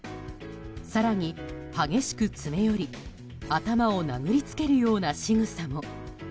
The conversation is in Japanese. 更に激しく詰め寄り頭を殴りつけるようなしぐさも。